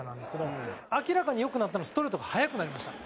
明らかに良くなったのはストレートが速くなりました。